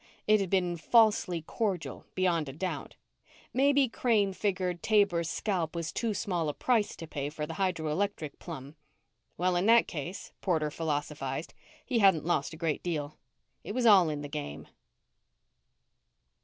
It had been falsely cordial, beyond a doubt. Maybe Crane figured Taber's scalp was too small a price to pay for the hydroelectric plum. Well, in that case, Porter philosophized, he hadn't lost a great deal. It was all in the game.